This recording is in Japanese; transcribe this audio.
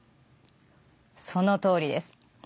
そのとおりです。